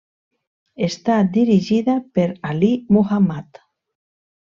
Està dirigida per Ali Muhammad.